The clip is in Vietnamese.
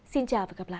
xin chào và hẹn gặp lại